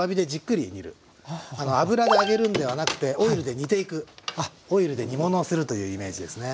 あの油で揚げるんではなくてオイルで煮ていくオイルで煮物をするというイメージですね。